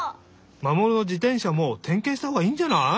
マモルの自転車もてんけんしたほうがいいんじゃない？